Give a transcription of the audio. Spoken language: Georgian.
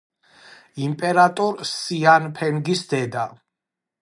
იმპერატორ სიანფენგის დედა.